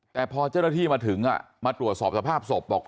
แต่พอเจ้าหน้าที่มาถึงมาตรวจสอบสภาพศพบอก